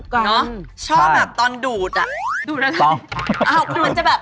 ก็จะได้ช่ำในปาก